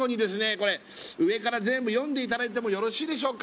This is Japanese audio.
これはい上から全部読んでいただいてもよろしいでしょうか？